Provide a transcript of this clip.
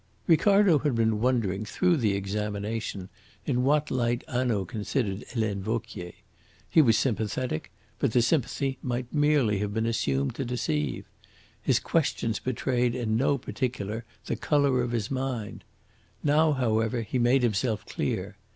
Ricardo had been wondering, through the examination, in what light Hanaud considered Helene Vauquier. He was sympathetic, but the sympathy might merely have been assumed to deceive. His questions betrayed in no particular the colour of his mind. Now, however, he made himself clear.